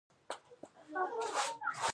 د الکسندریه اریا هرات و